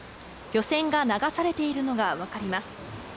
漁船が流されているのが分かります。